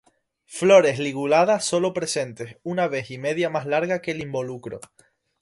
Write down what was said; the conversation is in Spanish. Flores liguladas sólo presentes, una vez y media más larga que el involucro.